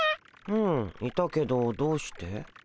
うんいたけどどうして？